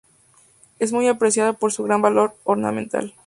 Es muy apreciada por su gran valor ornamental.